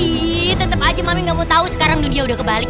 ih tetep aja mami gak mau tau sekarang dunia udah kebalik